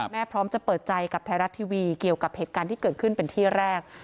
พร้อมจะเปิดใจกับไทยรัฐทีวีเกี่ยวกับเหตุการณ์ที่เกิดขึ้นเป็นที่แรก